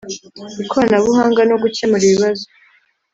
ikoranabuhanga no gukemura ibibazo